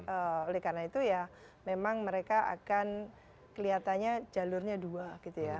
oleh karena itu ya memang mereka akan kelihatannya jalurnya dua gitu ya